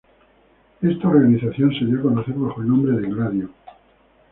Esta organización se dio a conocer bajo el nombre de Gladio.